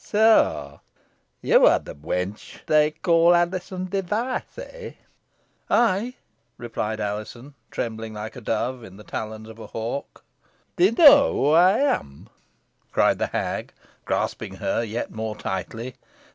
"So you are the wench they call Alizon Device, eh!" "Ay," replied Alizon, trembling like a dove in the talons of a hawk. "Do you know who I am?" cried the hag, grasping her yet more tightly.